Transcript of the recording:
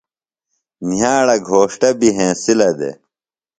نِیھاڑہ گھوݜٹہ بیۡ ہنسِلہ دےۡ۔